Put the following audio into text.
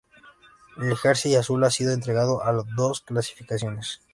El jersey azul ha sido entregado a dos clasificaciones.